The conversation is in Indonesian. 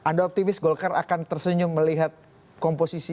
anda optimis golkar akan tersenyum melihat komposisi